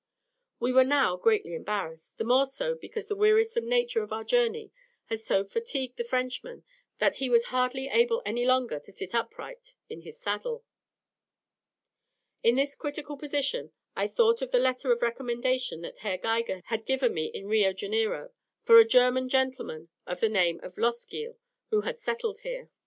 We were now greatly embarrassed; the more so, because the wearisome nature of our journey had so fatigued the Frenchman that he was hardly able any longer to sit upright in his saddle. In this critical position I thought of the letter of recommendation that Herr Geiger had given me in Rio Janeiro, for a German gentleman of the name of Loskiel, who had settled here.